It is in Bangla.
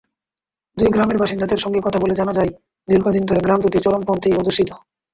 দুই গ্রামের বাসিন্দাদের সঙ্গে কথা বলে জানা যায়, দীর্ঘদিন ধরে গ্রাম দুটি চরমপন্থী–অধ্যুষিত।